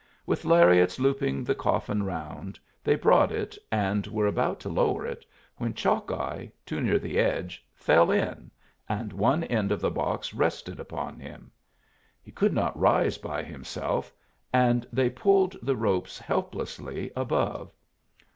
With lariats looping the coffin round, they brought it and were about to lower it, when Chalkeye, too near the edge, fell in, and one end of the box rested upon him. He could not rise by himself, and they pulled the ropes helplessly above.